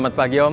selamat pagi om